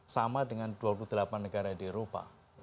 sama dengan dua puluh delapan negara di eropa